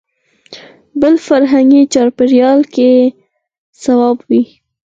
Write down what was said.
بل فرهنګي چاپېریال کې صواب وي.